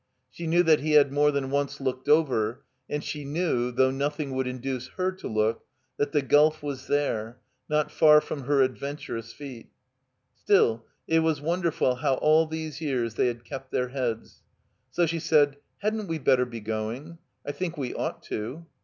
She knew that he had more than once looked over; and she knew (though noth ing would induce her to look) that the gulf was there, not far from her adventurous feet. Still, it was wonderful how all these years they had kept their heads. So she said: "Hadn't we better be going? I think we ought to."